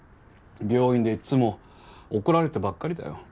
病院でいっつも怒られてばっかりだよ。